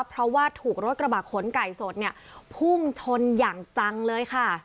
เพราะว่าถูกรถกระบะขนไก่สดเนี่ยพุ่งชนอย่างจังเลยค่ะ